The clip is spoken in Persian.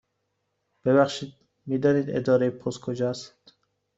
ببخشید، می دانید اداره پست کجا است؟